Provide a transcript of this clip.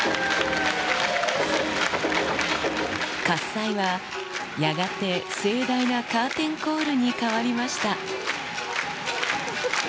喝采は、やがて盛大なカーテンコールに変わりました。